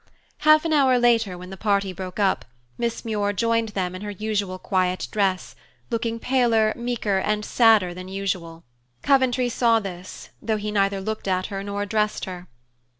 Half an hour later, when the party broke up, Miss Muir joined them in her usual quiet dress, looking paler, meeker, and sadder than usual. Coventry saw this, though he neither looked at her nor addressed her.